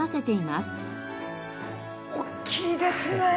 おっきいですね。